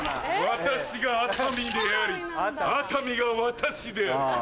私が熱海であり熱海が私である。